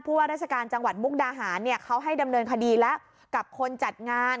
ว่าราชการจังหวัดมุกดาหารเขาให้ดำเนินคดีแล้วกับคนจัดงาน